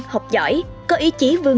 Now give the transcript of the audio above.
học giỏi có ý chí hoàn toàn